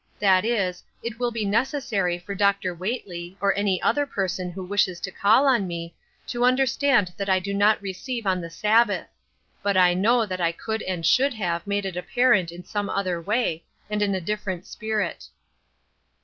That is, it will be necessary for Dr. Whately, or any other person who wishes to call on me, to understand that I do not receive on the Sabbath ; but I know that I could and should have SLIPPERY GROUND. 93 made it apparent in some other way, and in a dif ferent spirit."